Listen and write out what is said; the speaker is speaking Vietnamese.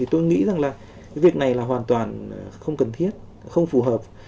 tôi nghĩ rằng việc này hoàn toàn không cần thiết không phù hợp